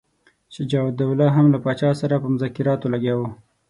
شجاع الدوله هم له پاچا سره په مذاکراتو لګیا وو.